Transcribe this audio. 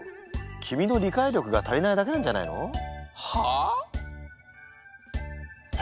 君の理解力が足りないだけなんじゃないの？はあ？